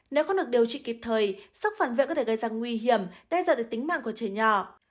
nếu không được điều trị kịp thời sốc phản vệ có thể gây ra nguy hiểm đe dọa đến tính mạng của trẻ nhỏ